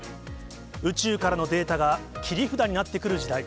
宇宙からのデータが切り札になってくる時代。